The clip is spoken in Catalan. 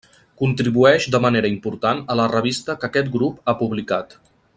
Contribueix de manera important a la revista que aquest grup ha publicat.